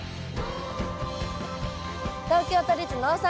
東京都立農産